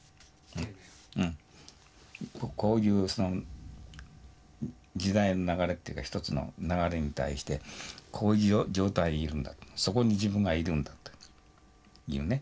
こういうその時代の流れっていうか一つの流れに対してこういう状態にいるんだとそこに自分がいるんだというね。